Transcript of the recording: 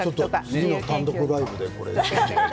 次の単独ライブでこれ。